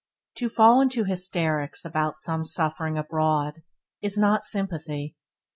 To fall into hysterical some suffering abroad, is not sympathy.